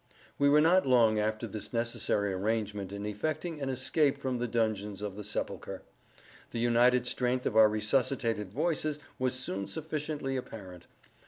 We were not long after this necessary arrangement in effecting an escape from the dungeons of the sepulchre. The united strength of our resuscitated voices was soon sufficiently apparent.